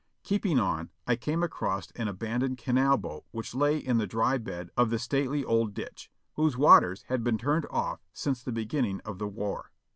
Keeping on, I came across an abandoned canal boat which lay in the dry bed of the stately old ditch, whose v.'aters had been turned off since the beginning of the war.